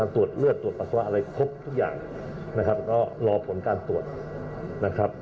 ตรวจเลือดตรวจปัสสาวะอะไรครบทุกอย่างนะครับก็รอผลการตรวจนะครับ